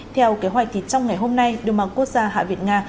theo kế hoạch thì trong ngày hôm nay điều mạng quốc gia hạ việt nga